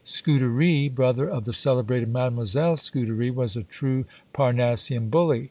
Scudery, brother of the celebrated Mademoiselle Scudery, was a true Parnassian bully.